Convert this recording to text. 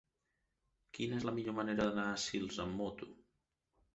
Quina és la millor manera d'anar a Sils amb moto?